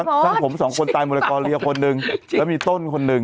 อ่าพ่อช่างผมสองคนตายหมดแล้วกรเรียคนหนึ่งจริงจริงแล้วมีต้นคนหนึ่ง